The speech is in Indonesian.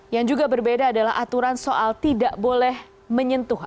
yang juga berbeda adalah aturan soal tidak boleh menyentuh